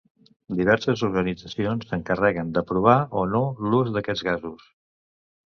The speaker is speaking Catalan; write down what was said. Diverses organitzacions s'encarreguen d'aprovar o no l'ús d'aquests gasos.